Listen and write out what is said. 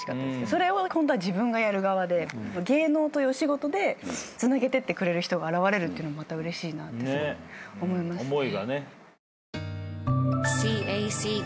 それを今度は自分がやる側で芸能というお仕事でつなげてってくれる人が現れるってうれしいなってすごく思いますね。